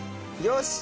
よし！